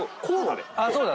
そうだ。